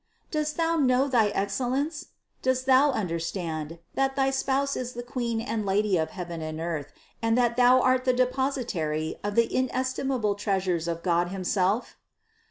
Dost thou know thy ex cellence? Dost thou understand, that thy Spouse is the Queen and Lady of heaven and earth and that Thou art the depositary of the inestimable treasures of God him self?